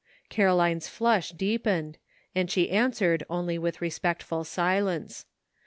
Caroline's flush deepened, and she answered only with respectful silence.